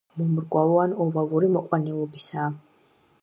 მომრგვალო ან ოვალური მოყვანილობისაა.